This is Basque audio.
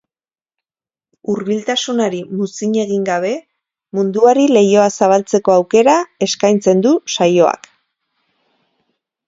Hurbiltasunari muzin egin gabe, munduari leihoa zabaltzeko aukera eskaintzen du saioak.